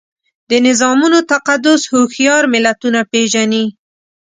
د نظامونو تقدس هوښیار ملتونه پېژني.